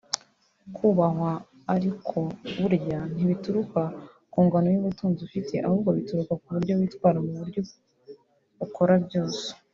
Kubahwa ariko burya ntibituruka ku ngano y’ubutunzi ufite ahubwo bituruka ku buryo witwara mu byo ukora byose